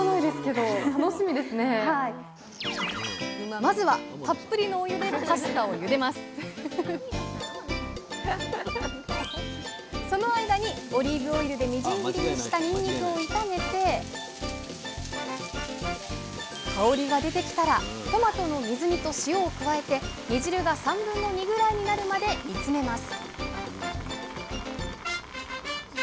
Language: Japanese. まずはたっぷりのお湯でその間にオリーブオイルでみじん切りにしたにんにくを炒めて香りが出てきたらトマトの水煮と塩を加えて煮汁が2/3ぐらいになるまで煮詰めます